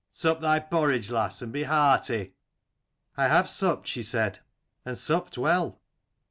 Sup thy porridge, lass, and be hearty." " I have supped," she said, " and supped well."